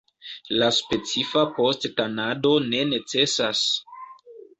Ia specifa post-tanado ne necesas.